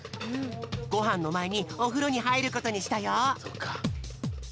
ごはんのまえにおふろにはいることにしたよ。